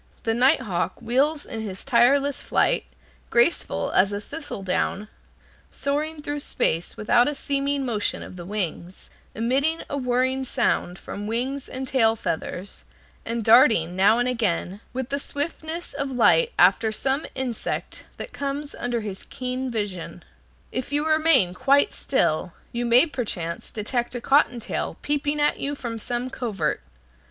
The night hawk wheels in his tireless flight, graceful as a thistledown, soaring through space without a seeming motion of the wings, emitting a whirring sound from wings and tail feathers, and darting, now and again, with the swiftness of light after some insect that comes under his keen vision. If you remain quite still, you may perchance detect a cotton tail peeping at you from some covert.